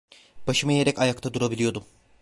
Başımı eğerek ayakta durabiliyordum.